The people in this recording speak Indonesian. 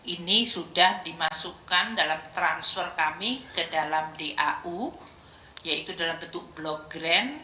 ini sudah dimasukkan dalam transfer kami ke dalam dau yaitu dalam bentuk block grand